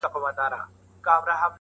سړي وایې موږکانو دا کار کړﺉ,